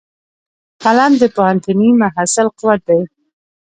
قلم د پوهنتوني محصل قوت دی